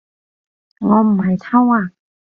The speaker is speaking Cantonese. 我唔係偷啊